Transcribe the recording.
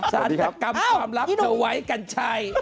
สวัสดีครับอ้าวนี่หนูจัดกรรมความลับเธอไว้กันใช่